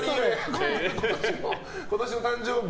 今年の誕生日